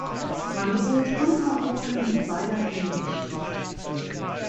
Man droht unverhohlen mit beider Hinrichtung.